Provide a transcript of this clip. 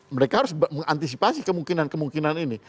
mereka harus mengantisipasi kemungkinan kemungkinan ini